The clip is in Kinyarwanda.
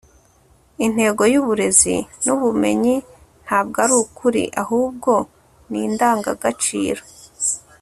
intego y'uburezi ni ubumenyi, ntabwo ari ukuri, ahubwo ni indangagaciro